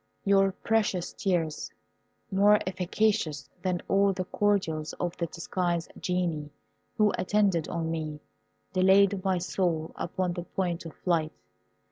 Your precious tears, more efficacious than all the cordials of the disguised Genii who attended on me, delayed my soul upon the point of flight.